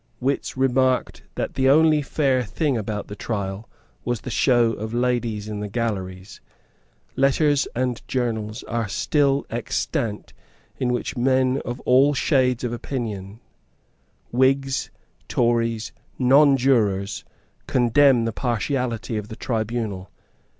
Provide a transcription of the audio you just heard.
Wits remarked that the only fair thing about the trial was the show of ladies in the galleries. Letters and journals are still extant in which men of all shades of opinion, Whigs, Tories, Nonjurors, condemn the partiality of the tribunal.